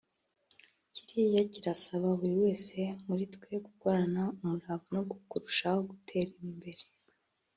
kiriya kirasaba buri wese muri twe gukorana umurava no kurushaho gutera imbere